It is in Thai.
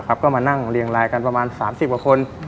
ก็มานั่งเรียงลายกันประมาณ๓๐กว่าคน